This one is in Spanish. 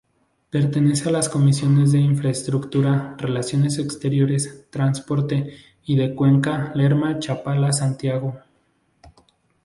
Pertenece a las comisiones de Infraestructura, Relaciones Exteriores, Transporte y de Cuenca Lerma-Chapala Santiago.